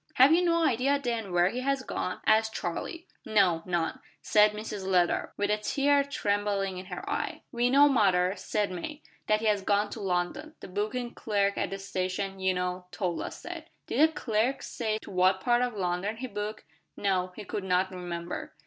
"Have you no idea, then, where he has gone?" asked Charlie. "No, none," said Mrs Leather, with a tear trembling in her eye. "We know, mother," said May, "that he has gone to London. The booking clerk at the station, you know, told us that." "Did the clerk say to what part of London he booked?" "No, he could not remember."